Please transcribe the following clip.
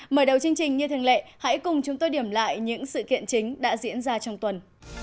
mở đầu chương trình như thường lệ hãy cùng chúng tôi điểm lại những sự kiện chính đã diễn ra trong tuần